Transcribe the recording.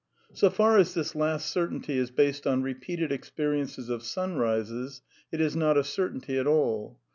So far as this last certainty is based on repeated ex periences of sunrises, it is not a certainty at all.